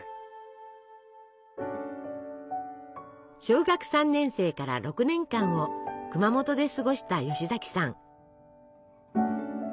小学３年生から６年間を熊本で過ごした吉崎さん。